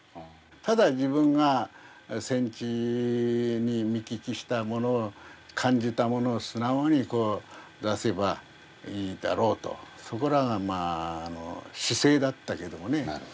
ただ、自分が戦地に見聞きしたものを、感じたものを素直に出せばいいだろうとそこらが姿勢だったけどね。